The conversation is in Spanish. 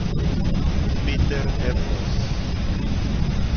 Peter Eötvös